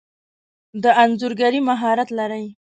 د انځورګری مهارت لرئ؟